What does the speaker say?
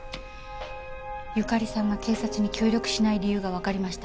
由香利さんが警察に協力しない理由がわかりました。